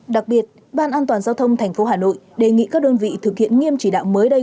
đặc biệt ban an toàn giao thông tp hà nội đề nghị các đơn vị thực hiện nghiêm chỉ đạo mới đây